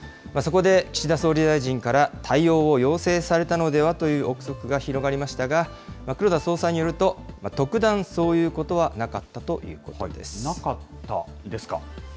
そこで岸田総理大臣から対応を要請されたのではという臆測が広がりましたが、黒田総裁によると、特段そういうことはなかったといなかったですか。